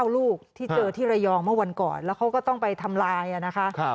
ลูกที่เจอที่ระยองเมื่อวันก่อนแล้วเขาก็ต้องไปทำลายนะคะ